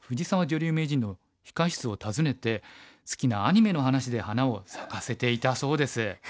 女流名人の控え室を訪ねて好きなアニメの話で花を咲かせていたそうです。